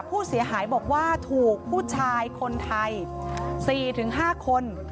ผู้เสียหายบอกว่าถูกผู้ชายคนไทย๔๕คน